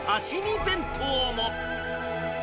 弁当も。